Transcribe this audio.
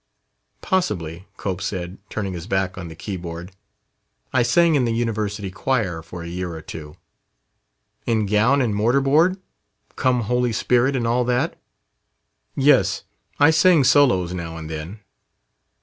"Possibly," Cope said, turning his back on the keyboard. "I sang in the University choir for a year or two." "In gown and mortar board? 'Come, Holy Spirit,' and all that?" "Yes; I sang solos now and then."